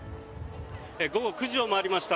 午後９時を回りました。